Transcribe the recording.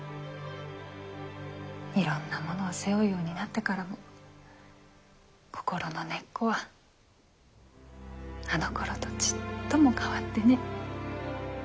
いろんなものを背負うようになってからも心の根っこはあのころとちっとも変わってねぇ。